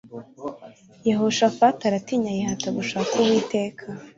Yehoshafati aratinya yihata gushaka Uwiteka